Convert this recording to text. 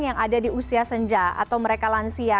yang ada di usia senja atau mereka lansia